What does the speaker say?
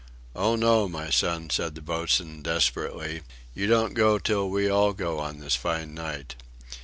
"Oh, no, my son," said the boatswain, desperately, "you don't go till we all go on this fine night."